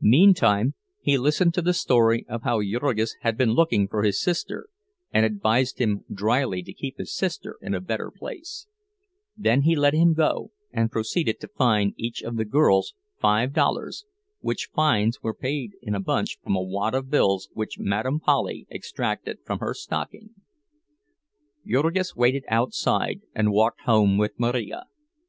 Meantime, he listened to the story of how Jurgis had been looking for his sister, and advised him dryly to keep his sister in a better place; then he let him go, and proceeded to fine each of the girls five dollars, which fines were paid in a bunch from a wad of bills which Madame Polly extracted from her stocking. Jurgis waited outside and walked home with Marija.